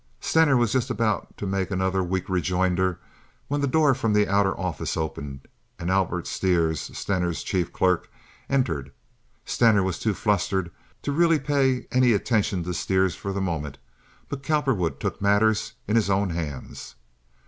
Stener was just about to make another weak rejoinder when the door from the outer office opened, and Albert Stires, Stener's chief clerk, entered. Stener was too flustered to really pay any attention to Stires for the moment; but Cowperwood took matters in his own hands.